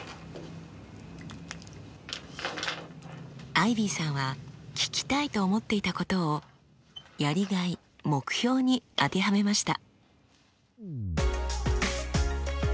アイビーさんは聞きたいと思っていたことを「やりがい・目標」に当てはめました。